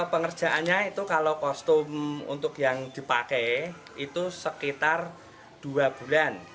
pengerjaannya itu kalau kostum untuk yang dipakai itu sekitar dua bulan